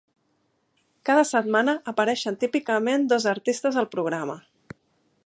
Cada setmana apareixen típicament dos artistes al programa.